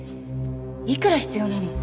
いくら必要なの？